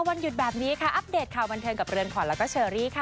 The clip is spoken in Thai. วันหยุดแบบนี้ค่ะอัปเดตข่าวบันเทิงกับเรือนขวัญแล้วก็เชอรี่ค่ะ